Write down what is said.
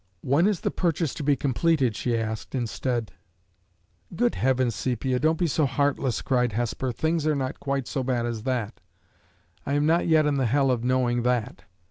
"When is the purchase to be completed?" she asked, instead. "Good Heavens, Sepia! don't be so heartless!" cried Hesper. "Things are not quite so bad as that! I am not yet in the hell of knowing that.